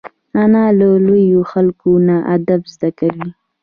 انا له لویو خلکو نه ادب زده کوي